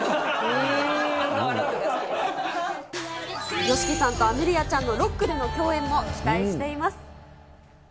ＹＯＳＨＩＫＩさんとアメリアちゃんのロックでの共演も期待しています。